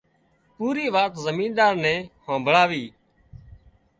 پُورِي وات زمينۮار نين همڀۯاوي